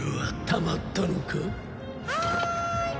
はい！